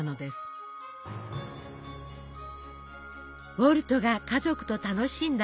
ウォルトが家族と楽しんだレモンパイ。